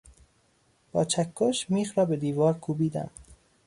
با چکش میخ را به دیوار کوبیدم.